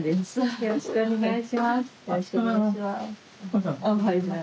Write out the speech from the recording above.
よろしくお願いします。